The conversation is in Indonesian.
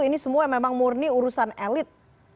ini semua memang murni urusan elit